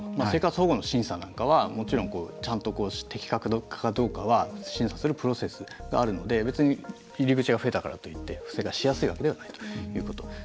生活保護の審査なんかはもちろんちゃんと適格かどうかは審査するプロセスがあるので別に入り口が増えたからといって不正がしやすいわけではないということ。